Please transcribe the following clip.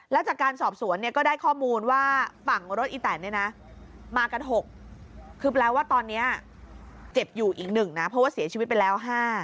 แล้วจากการสอบสวนเนี่ยก็ได้ข้อมูลว่าฝั่งรถอีแตนเนี่ยนะมากัน๖คือแปลว่าตอนนี้เจ็บอยู่อีก๑นะเพราะว่าเสียชีวิตไปแล้ว๕